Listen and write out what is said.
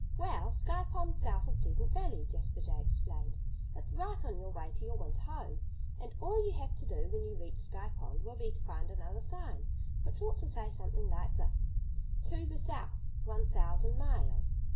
"Well, Sky Pond's south of Pleasant Valley," Jasper Jay explained. "It's right on your way to your winter home. And all you have to do when you reach Sky Pond will be to find another sign, which ought to say something like this: 'To the South, one thousand miles.'